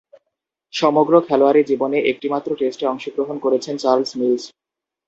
সমগ্র খেলোয়াড়ী জীবনে একটিমাত্র টেস্টে অংশগ্রহণ করেছেন চার্লস মিলস।